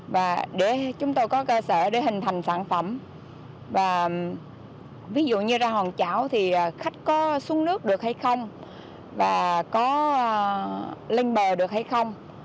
và để chúng tôi có cơ sở để hình thành sản phẩm và ví dụ như ra hòn chảo thì khách có xuống nước được hay không và có lên bờ được hay không